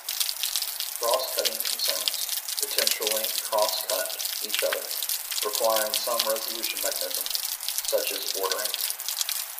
Cross-cutting concerns potentially cross-cut each other, requiring some resolution mechanism, such as ordering.